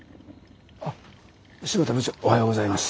あっ新発田部長おはようございます。